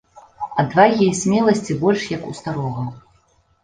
Адвагі і смеласці больш як у старога.